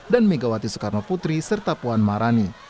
megawati soekarno putri serta puan marani